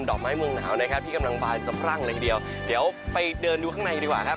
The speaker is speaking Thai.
อกไม้เมืองหนาวนะครับที่กำลังบานสะพรั่งเลยทีเดียวเดี๋ยวไปเดินดูข้างในดีกว่าครับ